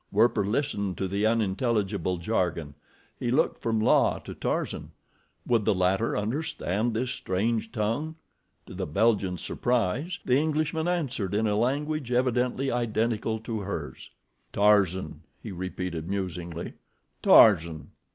Werper listened to the unintelligible jargon. He looked from La to Tarzan. Would the latter understand this strange tongue? To the Belgian's surprise, the Englishman answered in a language evidently identical to hers. "Tarzan," he repeated, musingly. "Tarzan.